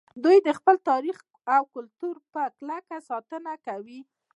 دوی د خپل تاریخ او کلتور په کلکه ساتنه کوي